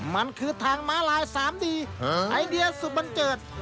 มันคือทางม้าลายสามดีไอเดียสุดบันเจิด